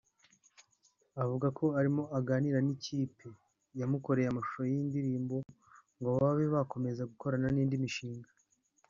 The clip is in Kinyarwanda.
avuga ko arimo aganira n’ikipe yamukoreye amashusho y’iyi ndirimbo ngo babe bakomeza gukorana n’indi mishinga